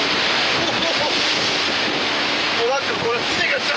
おっ！